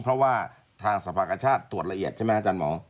เพราะว่าทางสภากชาติตรวจละเอียดใช่ไหมอาจารย์หมอ